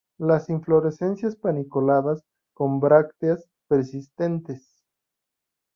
Las inflorescencias paniculadas, con brácteas persistentes.